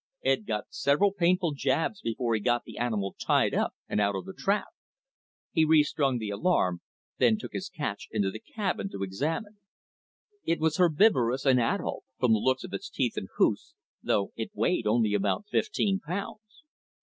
Ed got several painful jabs before he got the animal tied up and out of the trap. He restrung the alarm, then took his catch into the cabin to examine. It was herbivorous and adult, from the looks of its teeth and hoofs, though it only weighed about fifteen pounds.